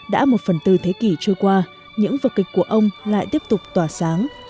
đã một phần tư thế kỷ trôi qua những vật kịch của ông lại tiếp tục tỏa sáng